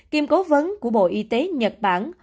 kiêm cố vấn của bộ y tế nhật bản